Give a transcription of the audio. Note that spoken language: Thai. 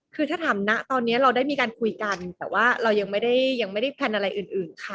คือสถานะตอนนี้เราได้มีการคุยกันแต่ว่าเรายังไม่ได้ยังไม่ได้แพลนอะไรอื่นค่ะ